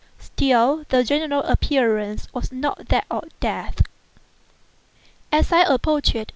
Still, the general appearance was certainly not that of death. As I approached M.